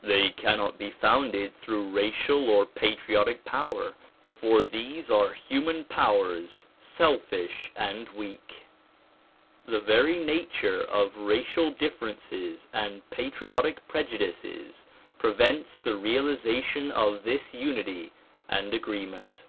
They cannot be founded through racial or patriotic power, for these are human powers, selfish and weak. The very nature of racial differences and patriotic prejudices prevents the realization of this unity and agreement.